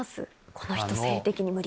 この人生理的に無理。